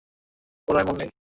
সতর্কতা সম্পর্কে কথা বলবেন না।